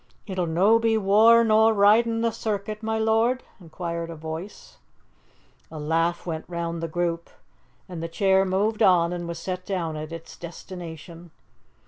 "It'll no be waur nor ridin' the circuit, ma lord?" inquired a voice. A laugh went round the group, and the chair moved on and was set down at its destination.